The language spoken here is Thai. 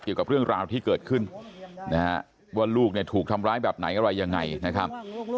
เกี่ยวกับเรื่องราวที่เกิดขึ้นนะฮะว่าลูกเนี่ยถูกทำร้ายแบบไหนอะไรยังไงนะครับ